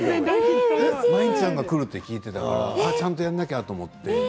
まいんちゃんが来るって聞いていたからちゃんとやらなきゃって。